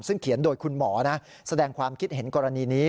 ซึ่งเขียนโดยคุณหมอนะแสดงความคิดเห็นกรณีนี้